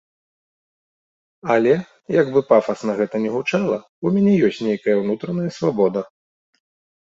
Але, як бы пафасна гэта ні гучала, у мяне ёсць нейкая ўнутраная свабода.